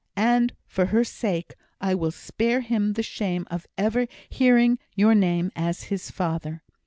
And for her sake, I will spare him the shame of ever hearing your name as his father."